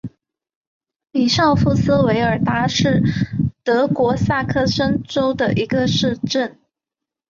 比绍夫斯韦尔达是德国萨克森州的一个市镇。